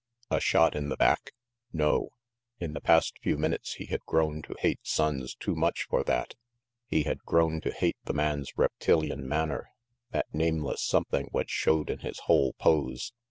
A shot in the back? No! In the past few minutes, he had grown to hate Sonnes too much for that. He had grown to hate the man's reptilian manner, that nameless something which showed in his whole pose.